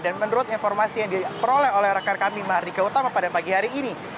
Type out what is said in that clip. dan menurut informasi yang diperoleh oleh rekan kami mardika utama pada pagi hari ini